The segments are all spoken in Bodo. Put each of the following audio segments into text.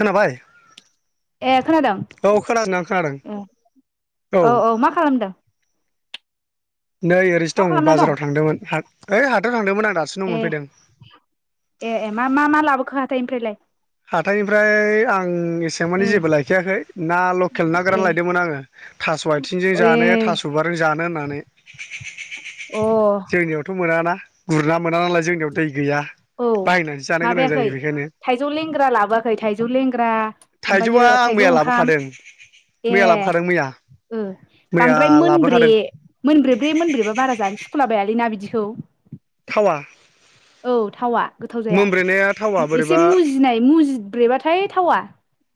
खोनाबाय? ए खोनादों औ खोनादों आं खोनादों उम औ औ मा खालामदों? नै ओरैसो मा दं खालामना बाजाराव थांदोमोन हा ओइ हाथाइयाव थांदोमोन आं। दासो न' ए मोनफैदों ए ए मा मा मा लाबोखो हाथाइनिफ्रायलाय? हाथाइनिफ्राय आं आं एसेबां ओ माने जेबो लायखायाखै ना लकेल ना गोरान ए लायदोमोन आङो थास' आइथिंजों ए जानो थास' बिबारजों जानो होननानै। अ जोंनियावथ' मोनाना। गुरना मोना नालाय जोंनियाव दै, गैया औ बायनानै जानो गोनां माबायाखै जायो बेखायनो। थाइजौ लेंग्रा लाबोयाखै थाइजौ लेंग्रा ओमफायो थाइजौआ आं थाइजौ मैया ओंखाम? लाबोखादों मैया लाबोखादों मैया। उम मैया बांद्राय मोनब्रे लाबोखादों मोनब्रेब्रे मोनब्रेबा बारा जानो सुखुलाबाया लै ना बिदिखौ। थावा। औ थावा। गोथाव जाया मोनब्रेनाया थावा एसे बोरैबा मुजिनाय मुजिब्रेबाथाइ थावा।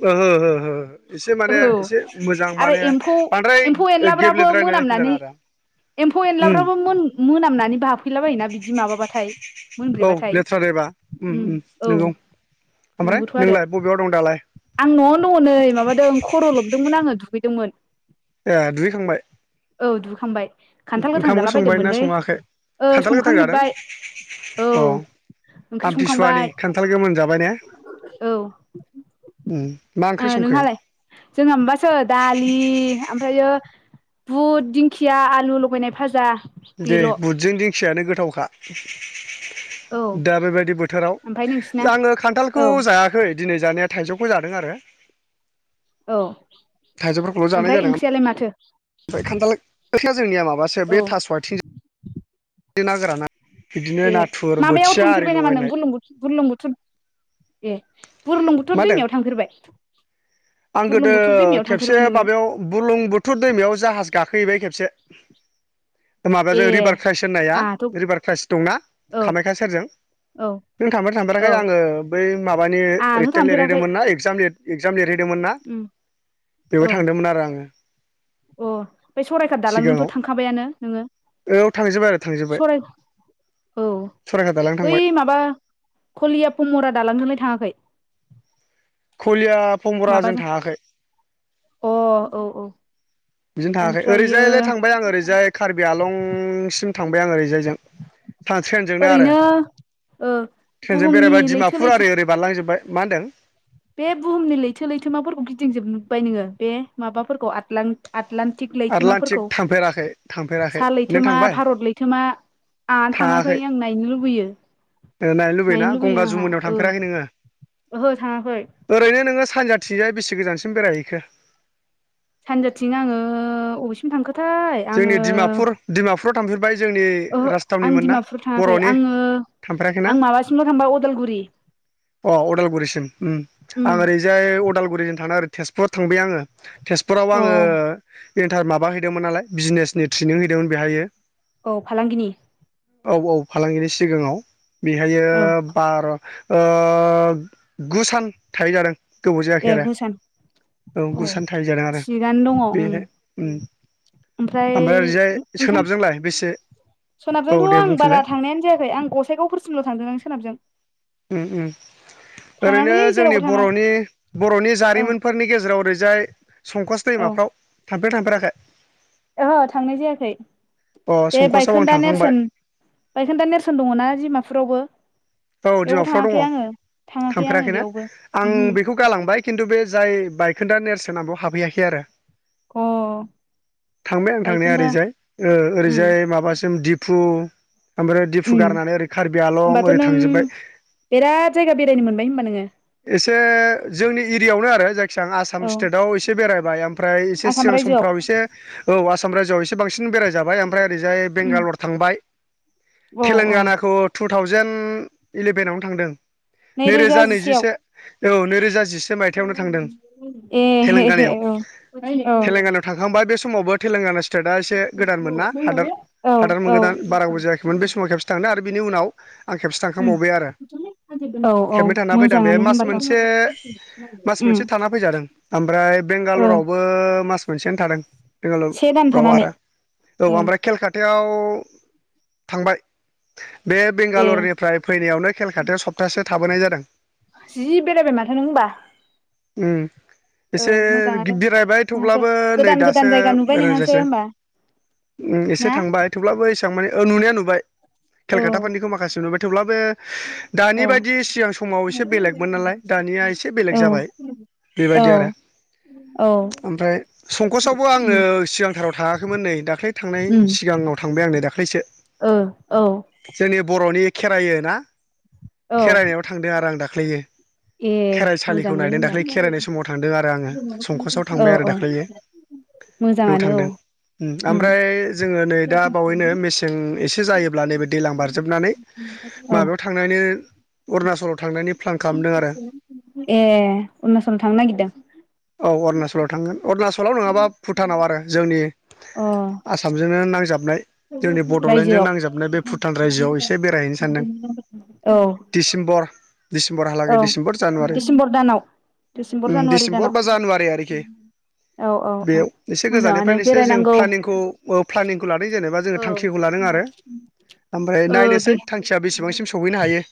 ओहो ओहो ओहो। एसे औ माने एसे मोजां आरो माने एम्फौ बांद्राय एम्फौ एनलाफ्राबो गेब्लेद्रायलायनायखो मोनामनानै जानाङादा। एम्फौ एनलाफ्राबो मोन-मोनामनानै बाफैला बायोना बिदि माबाबाथाय। औ मोनब्रेबाथाय लेथ्राद्रायबा उम औ नंगौ ओमफ्राय नंगौथ' आरो। नोंलाय बबेयाव दं दालाय आं न'वावनो दङ नै माबादों खर' लोबदोंमोन आङो दुगैदोंमोन। ए दुगैखांबाय? औ दुगैखांबाय खान्थाल गोथां ओंखाम ओंख्रि संबाय ना जालाबायदोंमोनलै सङाखै ओ खान्थाल गोथां जादों संखांजोबबाय औ। अ ओंख्रि आमथिसुवानि संखांबाय खान्थाल गोमोन जाबाय ने औ उम मा ओंख्रि संखो नोंहालाय जोंहा माबासो दालि ओमफ्रायो बुट दिंखिया आलु लगायनाय भाजा दे बेल' औ बुदजों दिंखियानो गोथावखा ओमफ्राय दा बेबायदि बोथोराव नोंसिना आङो औ खान्थालखौ जायाखै दिनै जानाया थाइजौखौ जादों आरो औ थाइजौ फोरखौल' जानाय ओमफ्राय जादों ओंख्रियालाय माथो खान्थाल खोया जोंनिया माबासो औ बे थासवाथिं ना गोराना बिदिनो ए नाथुर माबायाव बोथिया आरि थांफेरबाय नामा लगायनाय नों बुरलुंबुथुर ए बुरलुंबुथुर मा होनदों दैमायाव थांफेरबाय आं गोदो बुरलुंबुथुर दैमायाव थांफेरबाय खेबसे नोङो माबायाव बुलुं बुथुर दैमायाव जाहाज गान गाखोहैबाय खेबसे ए माबाजों रिभार क्राइस होननाया आंहाथ' रिभार क्राइस दंना औ कामाख्या सेरजों औ नों थांबायना थांफेराखाय औ आङो बै माबानि आंहानो रिटेर् थांफेराखै लिरहैदोंमोन ना एक्जाम लि एगजाम लिरहैदोंमोन ना उम बेवहाय औ थांदोंमोन आरो आङो अ बै सराइकाथ दालांजोंथ थांखाबायानो नोङो? थांजोबबाय आरो थांजोबबाय सराय औ बै माबा कलिया पमरा दालांदोंलाय थाङाखै? खलिया फमबराजों माबाजों थाङाखै अ औ औ बिजों थाङाखै ओमफ्रायो ओरैजायलाय थांबाय आं ओरैजाय कार्बि आलंसिम थांबाय आं ओरैजायजों था ट्रेनजोंनो आरो ओरैनो ओ ट्रेनजों बुहुमनि बेरायबाय लैथो डिमापुर लैथो आरि ओरै बारलांजोबबाय मा होनदों? बे बुहुमनि लैथो लैथोमाफोरखौ गिदिंजोबबाय नोङो बे माबाफोरखौ आदलां आद लान्टिक आटलान्टिक लैथोमाफोरखौ थांफेराखै थांफेराखै सा नों लैथोमा थांबाय भारत लैथोमा आंहा थाङाखै आं नायनो लुबैयो नायनो लुबैयोना लुबैयो गंगा आंहा जुमुनायाव औ थांफेराखै नोङो? ओहो थाङाखै ओरैनो नोङो सानजाथिंजाय बेसे गोजानसिम बेरायहैखो सानजाथिं आङो ओ अबेसिम थांखो? थाय आङो जोंनि डिमापुर डिमापुराव थांफेरबाय जोंनि ओहो आं राजथावनिमोन ना डिमापुर थाङाखै बर'नि आङो थांफेराखैना आं माबासिमल थांबाय अदालगुरि अ अदालगुरिसिम उम उम आं ओरैजाय अदाल गुरिजों थांना ओरै थेजपुराव थांबाय आङो तेजपुराव अ आङो एन्थार माब हैदोंमोन नालाय बिजनेसनि ट्रेनिं हैदोंमोन बेहायो औ फालांगिनि औ औ फालांगिनि सिगाङाव बेहायो औ बार ओ गु सान थाहै जादों गोबाव जायाखै ए आरो गुसान औ गुसान थाहै जादों आरो थिगानो दङ उम बेहाय उम ओमफ्राय ओरैजाय ओंखाम सोनाबजोंलाय बेस सोनाबजोंथ आं बारा थांनायानो जायाखै आं गसाइगावफोरसिमल थांदोंदां सोनाबजों उम उम ओरैनो थाङाखैलै जोंनि जेरावबो थाङा बरनि बरनि औ जारिमिनफोरनि गेजेराव ओरै जाय संकस दैमाफ्राव थांफेरदों ना थांफेराखै? ओह थांनाय जायाखै अ बे संकसआव आं बायखोन्दा थांखांबाय नेरसोन बायखोन्दा नेरसोन दङना दिमाफुरावबो? औ डिमाफुयाव दङ थाङाखै आङो थांफेराखैना बेयावबो आं उमहो बेखौ गालांबाय खिन्थु बे जाय बायखोन्दा नेरसोना बाव हाबहैयाखै आरो अ थांबाय आं थांनाया बायखोन्दा ओरैजाय ओ उम ओरैजाय माबासिम दिप दिफु ओमफ्राय दिफु गारनानै ओरै कार्बि आलं होमबाथ' ओरै उम थांजोब्बाय बिराद जायगा बेरायनो मोनबाय होनबा नोङो? एसे जोंनि एरियायावनो आरो जाय सिगां आसाम औ स्टेटाव एसे बेरायबाय ओमफ्राय एसे आसाम सिगां रायजोआव समफ्राव एसे औ साम रायजोआव एसे बांसिन बेराय जाबाय ओमफ्राय ओरैजाय उम बेंगालर थांबाय औ औ थेलेंगानाखौ टु थावजेेन इलेभेनावनो थांदों। नै रोजा नैरोजा जिसेयाव? नैजिसे औ नैरोजा जिसे मायथायाव नों थांदों ए तेलेंगानायाव औ औ तेलेंगानायाव थांखांबाय बे स समावबोे थेलेंगाना स्टेटआ एसे गोदानमोन ना हादोर औ हादोर औ गोदान बारा गोबाव जायाखैमोन बे समाव खेबसे थांदों आरो बिनि उनाव आं खेबसे उम थांखबावबाय आरो औ औ खेबनै थांना बै आं‌ बेहाय मोजाङानो मास होनबाथ' मोनसे मास उम मोनसे थाना फैजादों ओमफ्राय ओ बेंगालरावबो मास मोनसेनो थादों से दान बेगालरफ्राव थानानै आरो औ ए आमफ्राय केलकातायाव अ थांबाय बे ए बेंगालरनिफ्राय फैनायावनो केलकातायाव सप्तासे थाबोनाय जादों। जि बेरायबाय माथो नों होमबा। उम ओ एसे मोजाङानो गिददिरायबाय नोंहासो थेवब्लाबो नै गोदान गोदान दासो जायगा नुबाय नोंहासो बेरायजासै होमबा उम एसे ना थांबाय थेवब्लाबो ए माने ओ नुनाया नुबाय औ केलकाताफोरनिखौ माखासे नुबाय थेवब्लाबो दानि औ बायदि सिगां समाव एसे बेलेगमोन नालाय दानिया एसे बेलेग औ जाबाय औ बेबायदि आरो औ ओमफ्राय संकसआवबो आङो उम सिगांथाराव थाङाखैमोन नै दाख्लै थांनाय उम सिगाङाव थांबाय आंनो दा दाख्लैसो। ओ औ जोंनि बर'नि खेरायो ना औ खेरायनायाव थांदों आरो आं दाख्लैयो। ए खेराइसालिखौ मोजांलै नायदों होमबा दाख्लै खेराइनाय समाव थांदों आरो आङो संकसआव औ थांबाय आरो औ दाख्लैयो। मोजाङानो औ। ओम उम ओमफ्राय जोङो नै दा बावैनो मेसें एसे जायोब्ला नैबे दैलां बारजोबनानै औ माबायाव थांनानै अरुणाचलाव थांनानै ए अरुनाचलाव थांनो नागिरदों। औ अरुणाचलाव थांगोन अरुणाचलाव नङाबा भुटानाव आरो जोंनि अ आसामजों नो नांजाबनाय जोंनि बड'लेण्डजों रायजोआव नांजाबनाय बे भुटान रायजोआव एसे बेरायहैनो सानदों औ दिसिम बर दिडिसेम्बरहालागै औ डिसेमबर जानुवारि डिसेम्बर दानाव डिसेम्बर उम जानुवारि दानाव डिसेम्बर बा जानुवारि आरोखि औ औ औ बेयाव एसे मोजाङानो गोजाननिफ्रायनो एसे जों बेरायनांगौ प्लानिंखौ प्लानिंखौ लादों जेनेबा जोङो थांखिखौ ला [unintelligible] ओमफ्राय ओ बे नायनोसै थांखिया बेसेबांसिम सहैनो हायो।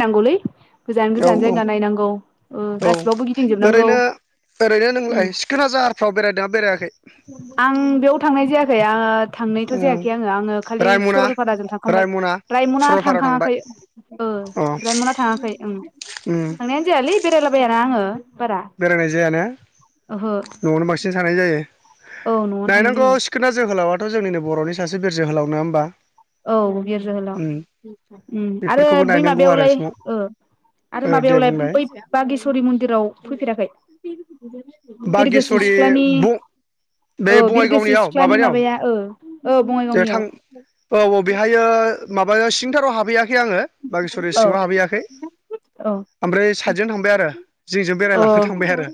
नायनांगौैलै गोजान औ गोजान जायगा नायनांगौ औ गासिबावबो गिदिंजोबनांगौ। ओरैनो ओरैनो उम नोंलाय सिखोना जाहारफ्राव बेरायदोंना बेरायाखै आं बेयाव थांनाय जायाखै आङो थांनायथ' जायाखै आङो आङो खालि रायमना सरलपाराजों थांखांबाय रायमना रायमना सरलपारायाव थांबाय थांखाङाखै ओ अ ओमफ्राय मोना थाङाखै ओं उम थांनायानो जायालै बेरायलाबायाना आङो। बारा बेरायनाय जायाना ओहो न'आवनो बांसिन थानाय जायो। औ न'आवनो थानाय नायनांगौ जायो सिखोना जोहोलावथ' जोंनिनो बर'नि सासे बिर जोहोलाव नङा होमबा। औ बिर उम जोहोलाव उम आरो बेफोरखौबो बै नायनांगौ आरो माबायावलाय समाव ओ ओ आरो दे माबायावलाय बुंलाय बै बागेस्वरि मन्दिराव फैफेराखै? बिरगोस्रि बागेस्वरि सिुख्लानि ब बे औ बिरगोस्रि बङाइगावनियाव सिख्लानि माबानियाव माबाया ओ औ जे थां बङाइगावनियाव। औ औ बेहायो माबा सिंथाराव हाबहैयाखै आङो बागेसरि औ सिङाव हाबहैयाखै औ आमफ्राय साइदजों थांबाय आरो जोंजों औ बेरायलाखो थांबाय आरो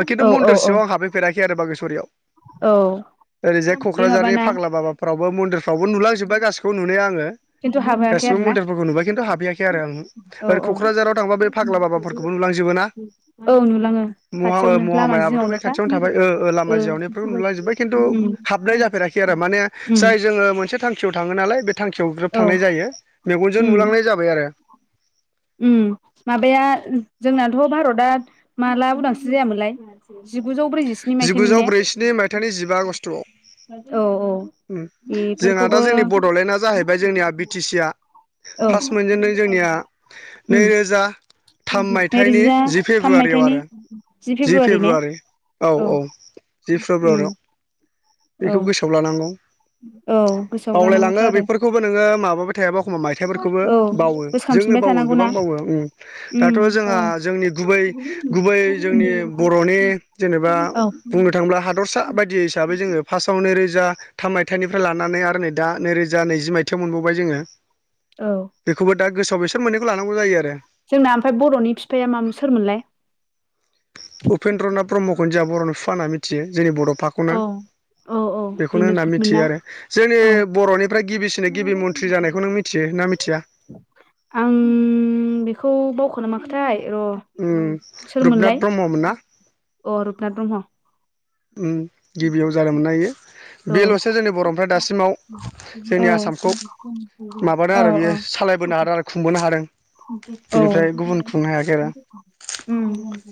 मा केनतु औ औ मनदिर औ सिंआव हाबैफेराखै आरो बागेस'रियाव । औ ओरैजाय बे क'क्राझारनि माबाना फाग्ला बाबाफ्रावबो मन्दिरफ्रावबो नुलांजोब्बाय गासिखौ नुनाया आङो । खिन्थु हाबोआखै गासिबो आरो ना मन्दिरफोरखौ नुबाय खिन्थु हाबहैयाखै आरो आं औ ओरै औ क'क्राझाराव थांबा बे फाग्ला बाबाफोरखौबो नुलांजोबोना औ नुलाङो म'आयो खाथियावनो लामा महामायाबोथ' जिङावनोखा थाबाय ओ ओ लामा जिवनो फ्रुम नुलाजोब्बाय खिन्थु उम हाबनाय जाफेराखै आरो माने उम जाय जोङो मोनसे थांखियाव थाङो नालाय बे थांखियाव ग्रोब औ थांनाय जायो मेगनजों उम नुलांनाय जाबाय आरो । उम माबाया जोंनाथ' भारतआ माला उदांस्रि जायामोनलाय? जिगुजौ ब्रैजिस्नि मायथाइमोन जिगुजौ ने ब्रैजिस्नि मायथाइनि जिबा आगष्ट'आव औ औ । जोंहा दा जोंनि बड'लेण्डआ जाहैबाय जोंनिया बि टि सि आ औ फार्स्ट मोनजेनदों जोंनिया उम नैरोजा थाम मायथाइनि नैरोजा जि थाम फेब्रुवारियाव मायथाइनि आरो जि फेब्रुवारि औ औ । जि उम फेब्रुवारियाव औ बेखौ गोसोआव लानांगौ । औ गोसोआव लानांगौथ' बावलायलाङो आरो बेफोरखौबो नोङो माबाबाय थायाबा एखमबा मायथाइफोरखौबो औ बावो ‌। जोंनो गोसोखांफिनबाय बावो थानांगौना गोबां बावो उम उम दाथ' औ जोंहा जोंनि गुबै गुबै जोंनि बर'नि जेनेबा औ बुंनो थाङोब्ला हादरसा बायदि हिसाबै जोङो फार्स्टआव नै रोजा थाम मायथाइनिफ्राय लानानै आरो नै दा नैरोजा नैजि मायथाइयाव मोनबावबाय जोङो । औ । दा गोसोआव बेसोर मोननैखौ लानांगौ जायो आरो । जोंना ओमफाय बर'नि बिफाया मामोन सोरमोनलाय? खुनदिया बर'नि बिफा होनना मिथियो जोंनि बड'फाखौनो औ औ बे खौनो होनना बेनोमोन ना मिथियो आरो जोंनि औ बर'निफ्राय गिबिसिनो गिबि मन्थ्रि जानायखौ नों मिथियोा मिथिया? आं बेखौ बावखो ना मा र' उम रुपनाथ सोरमोनलाय ब्रह्ममोन ना अ रुपनाथ ब्रह्म । उम गिबियाव जादोमोनना इयो । औ बेल'सो जोंनि बर'निफ्रा दासिमाव औ जोंनि आसामखौ माबादों औ आरो बियो औ लायबोनो हादों आरो खुंबोनो हादों । औ उम ।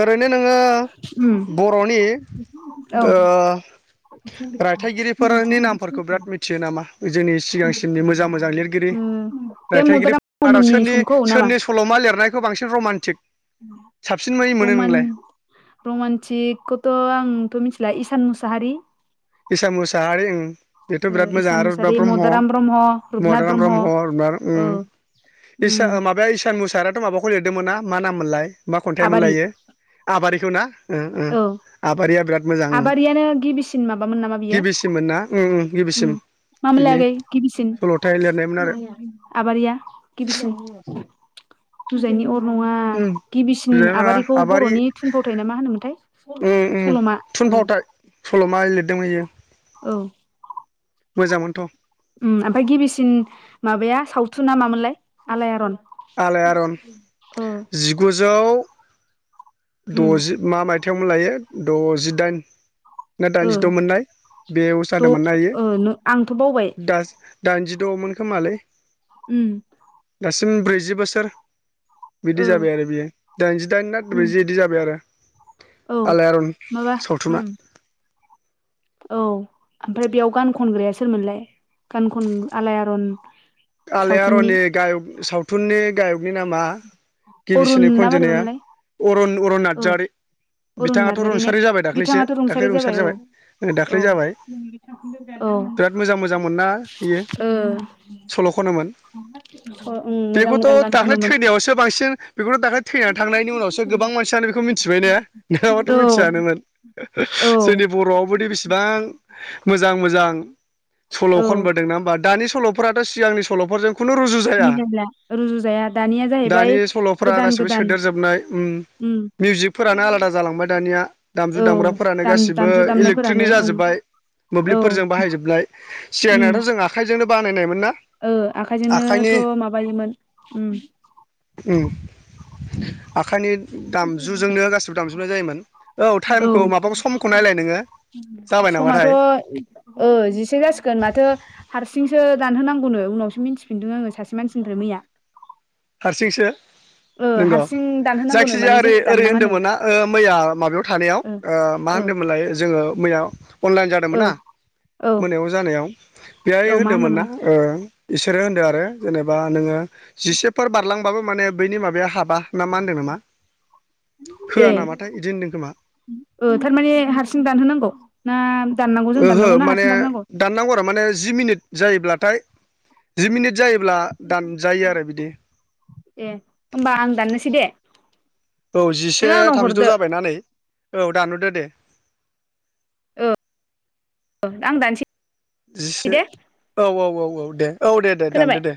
ओरैनो नोङो बर'नि औ ओ रायथाइगिरिफोरोनि नामफोरखौ बिराद मिथियो नामा जोंनि सिगांसिमनि मोजां मोजां लिरगिरि? बे रायथाइगिरि मदाराम मादाव ब्रह्ममोननि सोरनि समखौ सोरनि सल'मा लिरनायखौ बांसिन रमान्टिक साबसिनै मोनो नोंलाय रमान-रमान्टिक थ' आंथ' मिथिला इसान मुसाहारि । इसान मुसाहारि ओं बेथ' बिराद मोजां इसान आरो रुपथ मुसारि ब्रह्म, मदाराम रुपनाथ मदाराम ब्रह्म औ बार उम उम इसा माबाया इसान मुसाहारियाथ' माबाखौ लेरदोंमोन ना मा नाम मोनलाय मा खन्थाइ आबारि मोनलायो आबारिखौ ना? ओ ओ औ आबारिया बिराद मोजां ओ ‌ आबारियानो गिबिसिन माबामोन नामा गिबिसिनमोनना उम उम गिबिसिम । मा मोनलाय आगै गिबिसिन आरो आबारिया गिसिन जुजायनि अ नङा ओम गिबिसिन बिनानावा आबारिखौ बर'नि थुनफावथाय ना मा होनोमोनथाय! उम उम सल'मा ओ थुनफावथाय सल'मा लिरदों इयो । औ । मोजांमोनथ' । उम ओमफाय गिबिसिन माबाया सावथुनना मामोनलाय? आलाय आरन । आलाय आरन जिगुजौ उम द'जि मा मायथायावमोन लायो द'जिदाइन ना ओ दाइनजिद' मोननाय बेयाव द' जादोंमोन ना इयो ओ आंथ' बावबाय दा दाइनजि दङमोन खोमालै उम दासिम ब्रैजि बोसोर बिदि ओ जाबाय आरो बियो दाइनजि दाइन ना उम ब्रैजि बिदि जाबाय आरो औ आलायारन माबा उम सावथुना औ ओमफ्राय बेयाव गान खनग्राया सोरमोनलाय गान खन आलाय आरन आलाय आरननि गायक सावथुननि गायकनि नामा अरुन गिबिसिन ना खनजेननाया मारैबामोनलाय अरन अरन ओ नारजारी अरुन बिथाङाथ' नार्जारि ने रुंसारि जाबाय दाख्लैसो बिथाङाथ' दाख्लै रुंसारि औ जाबाय। ओ औ दाख्लै जाबाय औ ओ उम बिराद मोजां मोजांमोन ना इयो सल' खनोमोन मोजां बेखौथ' मोजां गान दाख्लै खनोमोन थैनायावसो बांसिन बेखौनो दाख्लै थैनानै थांनायनि उनावसो गोबां मानसियानो बेखौ मिथिबाय ने नोंङाबाथ' औ मिथियानोमोन। औ जोंनि बर'आवबोदि बेसेबां मोजां मोजां सल' औ खनबोदों ना होमबा दानि सल'फोराथ' सिगांनि सल'फोरजों खुनु रुजु जाया मिलायला रुजुजाया दानिया जाहैबाय दानि सल'फोरा गोदान गासिबो गोदान सोदेरजोबनाय ओम । उम मिउजिकफोरानो आलादा जालांबाय दानिया दामजु औ दामग्राफोरानो दाम गासिबो दामजु इलेक्ट्रिकनि दामनायफोरानो ओं जाजोब्बाय। औ मोब्लिबफोरजों बाहायजोबलाय उम सिगांनयाथ' जों आखायजोंनो। ओ आखाइजोंनोथ' माबायोमोन ओम। [inaudible] आखाइनि दामजुजोंनो गासिबो दामजोबनाय जायोमोन औ टाइमखौ माबाखौ समखौ नायलाय नोङो जाबाय समाथ' नामाथाय ओ जिसे जासिगोन माथो हारसिं सो दानहोनांगौनो उनावसो मिथिफिनदों आङो सासे मानसिनिफ्राय मैया। हारसिंसो ओ नंगौ हारसिं दानहोनांगौनो जायखिजाया माने जों ओरै ओरै दाननाङानो होनदोंमोन ना ओ मैया माबायाव थानायाव ओ। मा होनदोंमोनलाय? जोङो मैया अनलाइन जादोंमोन ओ ना। औ मोनायाव जानायाव बेहाय औ मा होनदोंमोन होनोमोन ना ओ। इसोरो होनदों आरो जेनेबा नोङो जिसेफोर बारलांबाबो माने बैनि माबाया हाब बा ना मा होनदों नामा? ए होआ नामाथाय बिदि होनदों खोमा ओ थारमाने हारसिं दानहोनांगौ ना? दाननांगौ जों ओहो दाननांगौ ना माने हारसिं दाननांगौ दाननांगौ आरो माने जि मिनिट जायोब्लाथाय जि मिनिट जायो। अब्ला दानजायो आरो बिदि ए होमबा आं दाननोसै दे। औ जिसे नों आंनाव थामजिद' हरदो जाबायना नै औ दानहरदो दे। औ औ आं दानसै। जिसे दे औ औ औ औ दे औ दे दे खोनाबाय दानदो दे।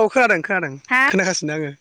औ खोनादों खोनादों हा खोनागासिनो आङो।